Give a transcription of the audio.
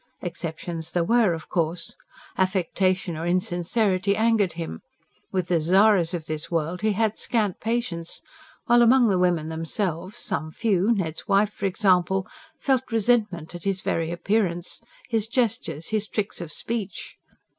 Exceptions there were, of course. Affectation or insincerity angered him with the "Zaras" of this world he had scant patience while among the women themselves, some few Ned's wife, for example felt resentment at his very appearance, his gestures, his tricks of speech.